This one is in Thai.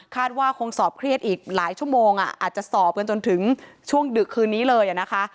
ว่าคงสอบเครียดอีกหลายชั่วโมงอาจจะสอบกันจนถึงช่วงดึกคืนนี้เลยนะคะ